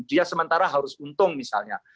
dia sementara harus untung misalnya